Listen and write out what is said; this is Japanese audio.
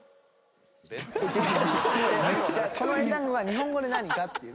この英単語は日本語で何かっていう。